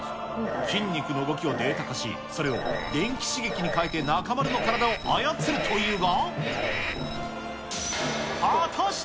筋肉の動きをデータ化し、それを電気刺激に変えて中丸の体を操るというが。